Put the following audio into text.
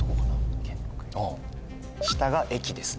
下が駅ですね